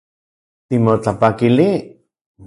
Timotlapakili